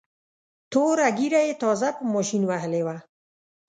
توره ږیره یې تازه په ماشین وهلې وه.